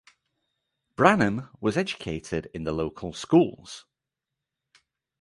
Branham was educated in the local schools.